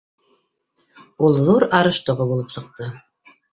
Ул ҙур арыш тоғо булып сыҡты.